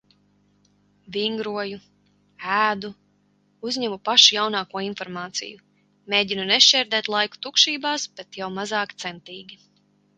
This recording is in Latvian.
Vingroju. Ēdu. Uzņemu pašu jaunāko informāciju. Mēģinu nešķērdēt laiku tukšībās, bet jau mazāk centīgi.